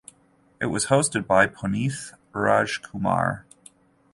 It was hosted by Puneeth Rajkumar.